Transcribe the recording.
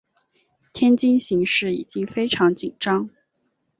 天津形势已经非常紧张。